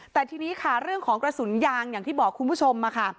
แต่ทีนี้ค่ะเรื่องของกระสุนยางอย่างที่บอกคุณผู้ชมมาค่ะ